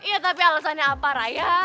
iya tapi alasannya apa raya